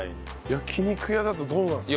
焼肉屋だとどうなんですか？